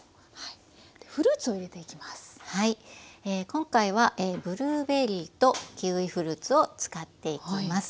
今回はブルーベリーとキウイフルーツを使っていきます。